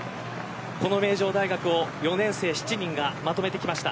この名城大学を４年生７人がまとめてきました。